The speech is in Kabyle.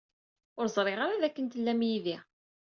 Ur ẓriɣ ara dakken tlam aydi.